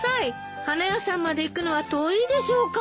花屋さんまで行くのは遠いでしょうから。